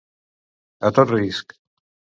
A tot risc.